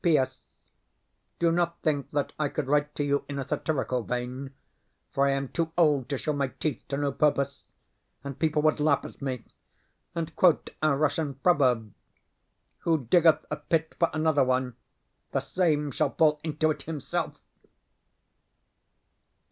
P.S. Do not think that I could write to you in a satirical vein, for I am too old to show my teeth to no purpose, and people would laugh at me, and quote our Russian proverb: "Who diggeth a pit for another one, the same shall fall into it himself."